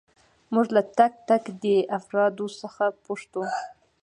موږ له تک تک دې افرادو څخه پوښتو.